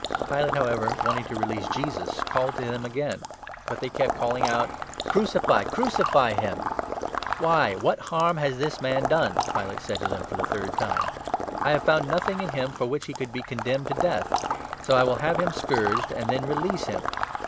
Pilate, how ever, wanting to release Jesus, called to them again ; but they kept calling out :" Crucify, crucify him !"" Why, what harm has this man done? " Pilate said to them for the third time. " I have found nothing in him for which he could be condemned to death. So I will have him scourged, and then release him."